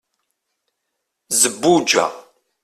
zebbuǧa